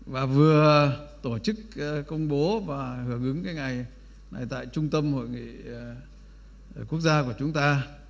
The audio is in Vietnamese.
và vừa tổ chức công bố và hưởng ứng cái ngày này tại trung tâm hội nghị quốc gia của chúng ta